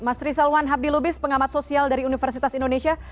mas rizalwan habdi lubis pengamat sosial dari universitas indonesia